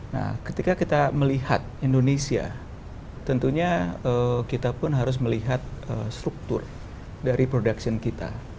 nah ketika kita melihat indonesia tentunya kita pun harus melihat struktur dari production kita